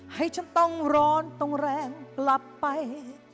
ให้ฉันต้องร้อนต้องแรงกลับไป